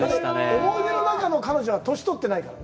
思い出の中の彼女は年とってないからね。